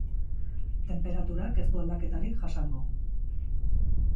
Tenperaturak ez du aldaketarik jasango.